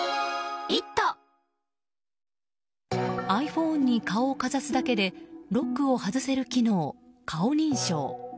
ｉＰｈｏｎｅに顔をかざすだけでロックを外せる機能、顔認証。